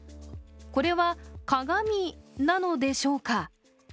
これは鏡なのでしょうか？